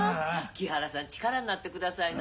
木原さん力になってくださいな。